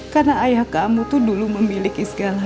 karena ayah kamu tuh dulu memiliki segalanya sayang